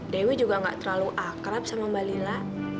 dewi juga gak terlalu akrab sama mbak lila